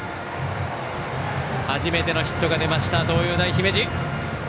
初めてのヒットが出ました東洋大姫路。